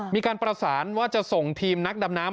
มีการประสานว่าจะส่งทีมนักดำน้ำ